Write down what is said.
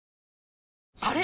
あれ？